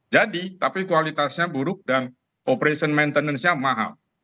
jadi tapi kualitasnya buruk dan operasi maintenance nya mahal